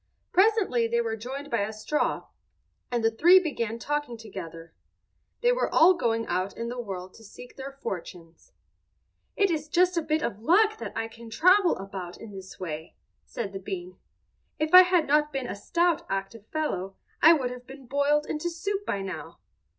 Presently they were joined by a straw, and the three began talking together. They were all going out in the world to seek their fortunes. "It is just a bit of luck that I can travel about in this way," said the bean. "If I had not been a stout active fellow I would have been boiled into soup by now.